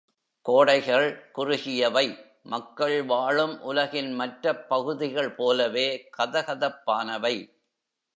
கோடைகள் குறுகியவை மக்கள் வாழும் உலகின் மற்றப் பகுதிகள் போலவே கதகதப்பானவை.